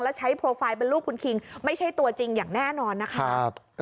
แล้วใช้โปรไฟล์เป็นลูกคุณคิงไม่ใช่ตัวจริงอย่างแน่นอนนะคะ